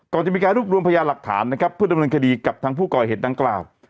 ก่อนจะมีการรวบรวมพยานหลักฐานนะครับเพื่อดำเนินคดีกับทางผู้ก่อเหตุดังกล่าว